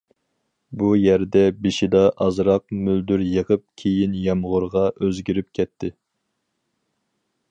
بۇ يەردە بېشىدا ئازراق مۆلدۈر يېغىپ كېيىن يامغۇرغا ئۆزگىرىپ كەتتى.